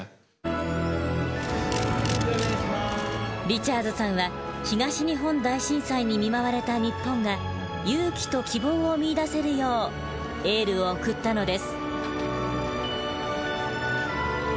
リチャーズさんは東日本大震災に見舞われた日本が勇気と希望を見いだせるようエールを送ったのです。